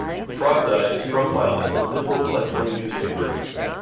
Pravda is profiled as a liberal left-wing newspaper.